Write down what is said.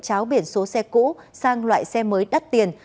cháo biển số xe cũ sang loại xe mới đắt tiền